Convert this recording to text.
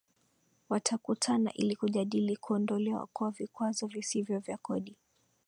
Watakutana ili kujadili kuondolewa kwa vikwazo visivyo vya kodi